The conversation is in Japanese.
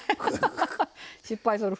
失敗する。